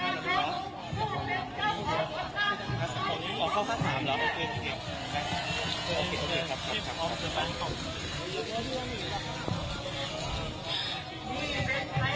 โอเคโอเคครับทั้งหม้อเข้าข้างในกล่อง